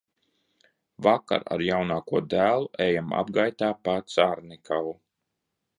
Vakarā ar jaunāko dēlu ejam apgaitā pa Carnikavu.